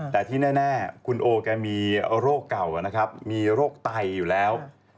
แต่ที่แน่คุณโอแกมีโรคเก่านะครับมีโรคไตอยู่แล้ว